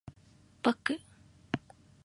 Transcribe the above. バック